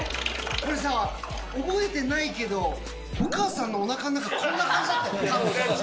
これさ、覚えてないけど、お母さんのおなかん中、こんな感じだった。